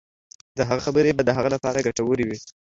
د هغه خبرې به د هغه لپاره ګټورې وي.